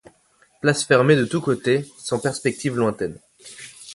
Place fermée de tous côtés, sans perspectives lointaines.